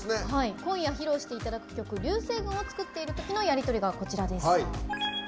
今夜披露していただく曲「流星群」を作っているときのやりとりがこちらです。